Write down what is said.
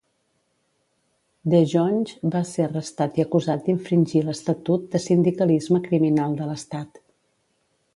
De Jonge va ser arrestat i acusat d'infringir l'estatut de sindicalisme criminal de l'Estat.